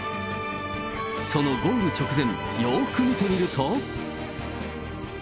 そのゴール直前、よく見てみると。